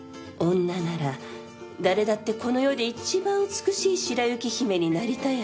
女なら誰だってこの世で一番美しい白雪姫になりたいはず。